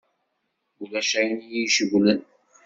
Ulac ayen i yi-cewwlen.